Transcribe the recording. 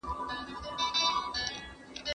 مخکي به هغه لاروی وو اوس هغه نه ښکاري